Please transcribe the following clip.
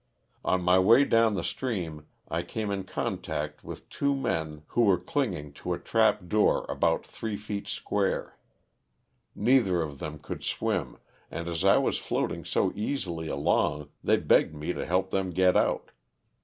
On my way down the stream I came in contact with two men who were 332 LOSS OF THE SULTANA. clinging to a trapdoor about three feet square ; neither of them could swim and as I was floating so easily along they begged me to help them get out.